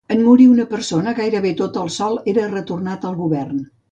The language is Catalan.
En morir una persona, gairebé tot el sòl era retornat al govern.